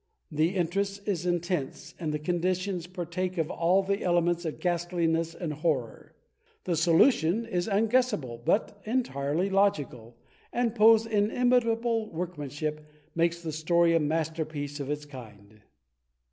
The interest is intense and the conditions partake of all the elements of ghastliness and horror. The solution is unguessable but entirely logical, and Poe*s inimitable workmanship makes the story a masterpiece of its kind.